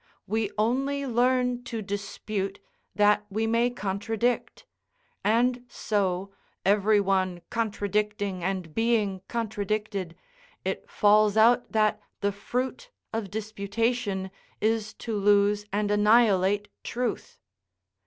We only learn to dispute that we may contradict; and so, every one contradicting and being contradicted, it falls out that the fruit of disputation is to lose and annihilate truth.